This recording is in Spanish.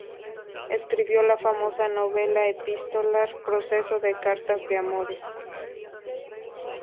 Escribió la famosa novela epistolar "Proceso de cartas de amores".